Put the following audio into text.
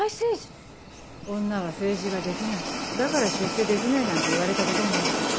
女は政治ができないだから出世できないなんて言われたこともある。